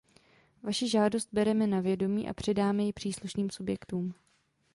Vaši žádost bereme na vědomí a předáme ji příslušným subjektům.